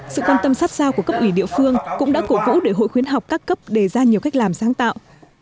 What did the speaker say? sự quan tâm sát sao của cấp ủy địa phương cũng đã cổ vũ để hội khuyến học các cấp đề ra nhiều cách làm sáng tạo